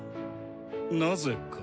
なぜか？